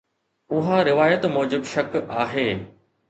اها روايت موجب شڪ آهي